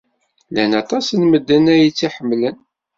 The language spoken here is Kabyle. Llan aṭas n medden ay tt-iḥemmlen.